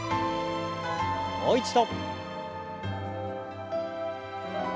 もう一度。